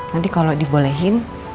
nanti kalo dibolehin